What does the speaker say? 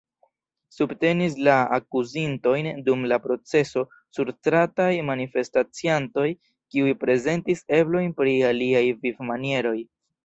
Subtenis la akuzintojn dum la proceso surstrataj manifestaciantoj, kiuj prezentis eblojn pri aliaj vivmanieroj.